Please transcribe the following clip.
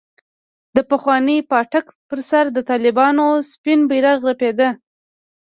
د پخواني پاټک پر سر د طالبانو سپين بيرغ رپېده.